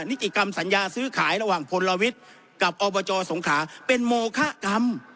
นิติกรรมสัญญาซื้อขายระหว่างพลวิทย์กับอบจสงขาเป็นโมคะกรรม